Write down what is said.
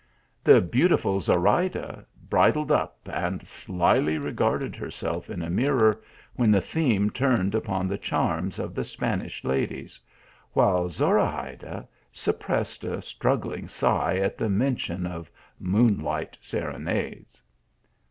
The beautiful Zorayda bridled up, and slyly regarded herself in a mirror, when the theme turned upon the charms of the Spanish ladies ; while Zorahayda suppressed a struggling sigh at the mention of moonlight sere nades.